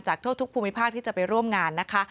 ทั่วทุกภูมิภาคที่จะไปร่วมงานนะคะ